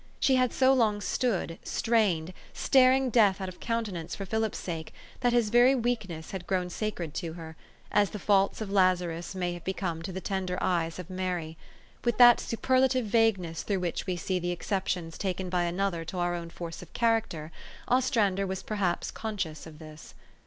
She had so long stood, strained, staring death out of countenance for Philip's sake, that his very weaknesses had grown sacred to her ; as the faults of Lazarus may have be come to the tender eyes of Mary. With that super lative vagueness through which we see the excep tions taken by another to our own force of character, Ostrander was perhaps conscious of this.